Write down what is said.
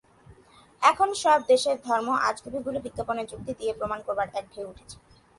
এখন সব দেশে ধর্মের আজগুবীগুলি বিজ্ঞানের যুক্তি দিয়ে প্রমাণ করবার এক ঢেউ উঠেছে।